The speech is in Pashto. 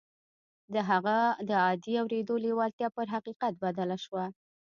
د هغه د عادي اورېدو لېوالتیا پر حقیقت بدله شوه